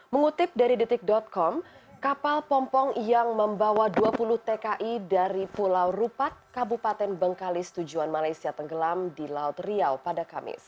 mengutip dari detik com kapal pompong yang membawa dua puluh tki dari pulau rupat kabupaten bengkalis tujuan malaysia tenggelam di laut riau pada kamis